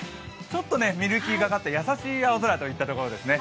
ちょっとミルキーがかった優しい青空といったところですね。